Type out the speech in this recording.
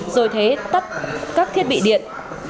rồi thế tắt các thiết bị điện